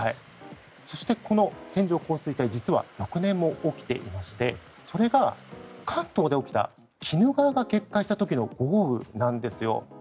そしてこの線状降水帯実は翌年も起きていましてそれが、関東で起きた鬼怒川が決壊した時の豪雨なんですよ。